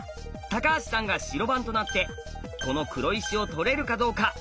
橋さんが白番となってこの黒石を取れるかどうか。